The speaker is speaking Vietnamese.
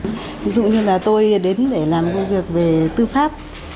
ví dụ như là tôi đến để làm công việc về tư pháp